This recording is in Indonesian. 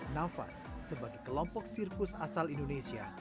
nafas sebagai kelompok sirkus asal indonesia